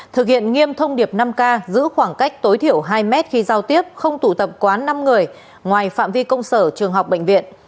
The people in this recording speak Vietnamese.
thực hiện nghiêm thông điệp năm k giữ khoảng cách tối thiểu hai mét khi giao tiếp không tụ tập quá năm người ngoài phạm vi công sở trường học bệnh viện